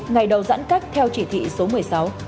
ngày đầu giãn cách theo chỉ thị số một mươi sáu